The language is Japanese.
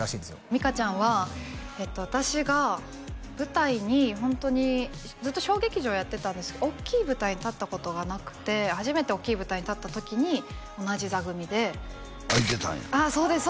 実花ちゃんは私が舞台にホントにずっと小劇場やってたんですけど大きい舞台に立ったことがなくて初めて大きい舞台に立った時に同じ座組でいてたんやああそうです